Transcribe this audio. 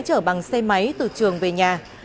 chở bằng xe máy từ trường về nhà